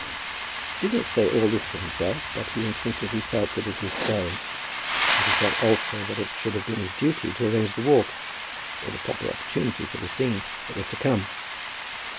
He did not say all this to himself, but he instinctively felt that it was so. And he felt also that it should have been his duty to arrange the walk, or the proper opportunity for the scene that was to come.